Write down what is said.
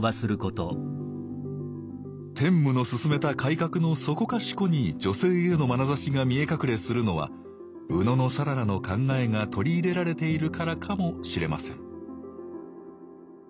天武の進めた改革のそこかしこに女性へのまなざしが見え隠れするのは野讃良の考えが取り入れられているからかもしれません